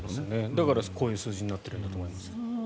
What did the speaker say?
だからこういう数字になっているんだと思いますが。